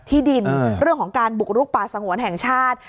ที่ดินเรื่องของการบุกลุกป่าสงวนแห่งชาติ